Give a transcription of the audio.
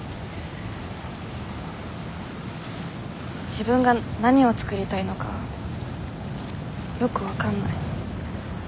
自分が何を作りたいのかよく分かんない。